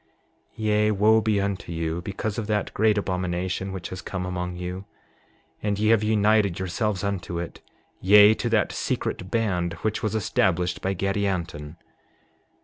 7:25 Yea, wo be unto you because of that great abomination which has come among you; and ye have united yourselves unto it, yea, to that secret band which was established by Gadianton!